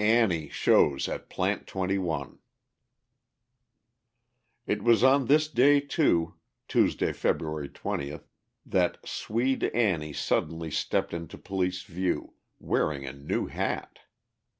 Annie Shows at "Plant 21" It was on this day, too (Tuesday, February 20), that "Swede Annie" suddenly stepped into police view, wearing a new hat.